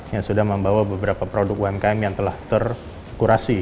yang sudah membawa beberapa produk umkm yang telah terkurasi